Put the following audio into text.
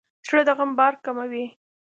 زړه د غم بار کموي.